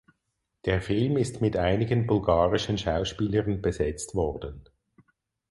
Der Film ist mit einigen bulgarischen Schauspielern besetzt worden.